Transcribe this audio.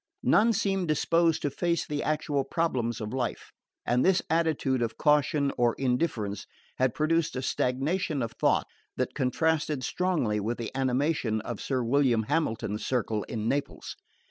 None seemed disposed to face the actual problems of life, and this attitude of caution or indifference had produced a stagnation of thought that contrasted strongly with the animation of Sir William Hamilton's circle in Naples.